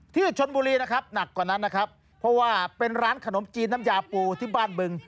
ที่ชนบุรีนะครับหนักกว่านั้นนะครับเพราะว่าเป็นร้านขนมจีนน้ำยาปูที่บ้านบึง